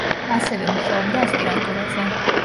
ასევე მუშაობდა ასპირანტურაზე.